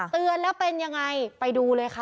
เตือนแล้วเป็นยังไงไปดูเลยค่ะ